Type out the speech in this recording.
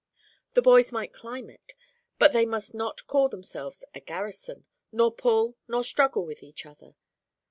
The boys might climb it, but they must not call themselves a garrison, nor pull nor struggle with each other.